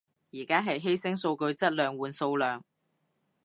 而家係犧牲數據質量換數量